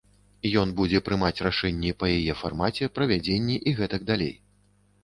Ён будзе прымаць рашэнні па яе фармаце, правядзенні і гэтак далей.